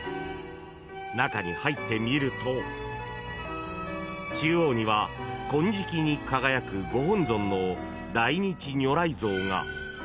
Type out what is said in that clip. ［中に入ってみると中央には金色に輝くご本尊の］